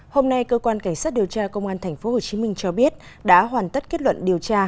hôm nay cơ quan cảnh sát điều tra công an tp hcm cho biết đã hoàn tất kết luận điều tra